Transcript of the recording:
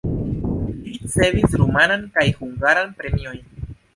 Li ricevis rumanan kaj hungaran premiojn.